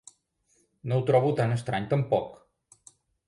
No ho trobo tan estrany, tampoc!